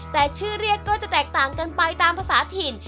แต่ชื่อเรียกก็จะแตกต่างกันไปตามภาษาถิ่น